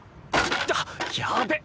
あっやべっ！